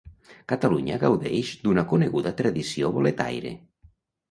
Catalunya gaudeix d'una coneguda tradició boletaire.